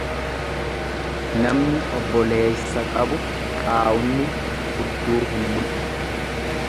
Namni obboleeysa qabu qaawni hudduu hin mul'atu.